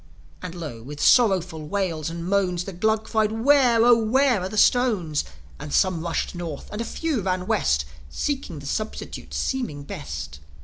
And lo, with sorrowful wails and moans, The Glugs cried, "Where, Oh, where are the stones?" And some rushed North, and a few ran West; Seeking the substitutes seeming best.